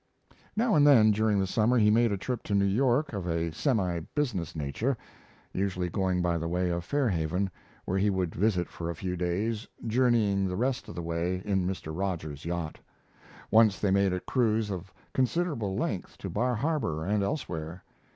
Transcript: Now and then during the summer he made a trip to New York of a semi business nature, usually going by the way of Fairhaven, where he would visit for a few days, journeying the rest of the way in Mr. Rogers's yacht. Once they made a cruise of considerable length to Bar Harbor and elsewhere.